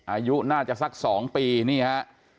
อายุน่าจะสัก๒ปีนี่ฮะ